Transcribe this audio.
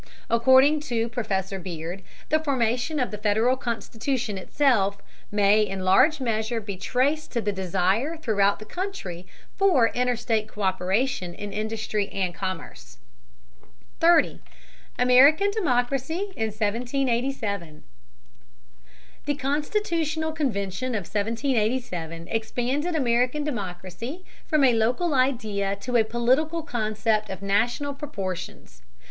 According to Professor Beard, the formation of the Federal Constitution itself may in large measure be traced to the desire throughout the country for interstate co÷peration in industry and commerce. 30. AMERICAN DEMOCRACY IN 1787. The constitutional convention of 1787 expanded American democracy from a local idea to a political concept of national proportions.